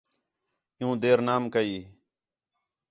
عِیّوں دیر نام کَئی